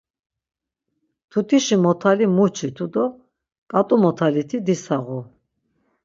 Mtutişi motali muçitu do ǩat̆u motaliti disağu.